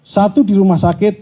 satu di rumah sakit